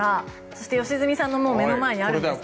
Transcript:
そして良純さんの目の前にあります。